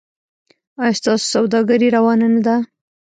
ایا ستاسو سوداګري روانه نه ده؟